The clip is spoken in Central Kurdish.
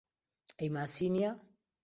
ئەی ماسی نییە؟